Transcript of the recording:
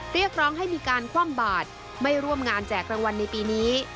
เรียกร้องให้มีการคว่ำบาดไม่ร่วมงานแจกรางวัลในปีนี้